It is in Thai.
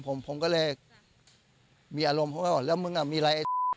ผมผมก็เลยมีอารมณ์เขาก็บอกแล้วมึงอ่ะมีอะไร